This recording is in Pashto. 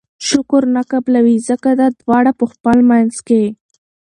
شکر نه قبلوي!! ځکه دا دواړه په خپل منځ کي